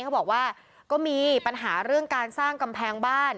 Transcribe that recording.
เขาบอกว่าก็มีปัญหาเรื่องการสร้างกำแพงบ้าน